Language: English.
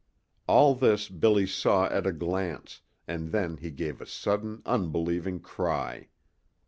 All this Billy saw at a glance, and then he gave a sudden unbelieving cry.